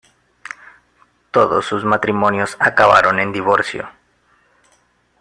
Todos sus matrimonios acabaron en divorcio.